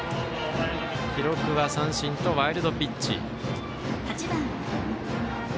記録は三振とワイルドピッチ。